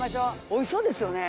おいしそうですよね。